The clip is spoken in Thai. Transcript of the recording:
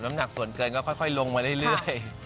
หนักส่วนเกินก็ค่อยลงมาเรื่อย